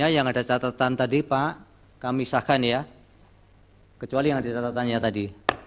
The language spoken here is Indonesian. yang ada catatan tadi pak kami sahkan ya kecuali yang ada catatannya tadi